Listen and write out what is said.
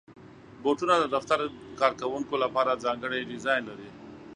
بوټونه د دفتر کارکوونکو لپاره ځانګړي ډیزاین لري.